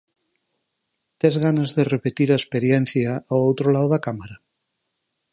Tes ganas de repetir a experiencia ao outro lado da cámara?